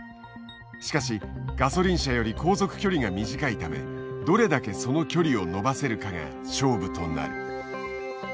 しかしガソリン車より航続距離が短いためどれだけその距離を伸ばせるかが勝負となる。